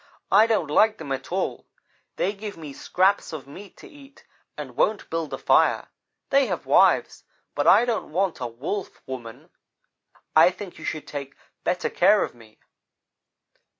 I don't like them at all. They give me scraps of meat to eat and won't build a fire. They have wives, but I don't want a Wolf woman. I think you should take better care of me.'